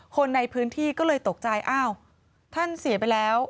คนในพื้นที่ก็เลยตกใจอ้าวท่านเสียไปแล้ว